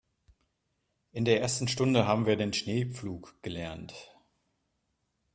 In der ersten Stunde haben wir den Schneepflug gelernt.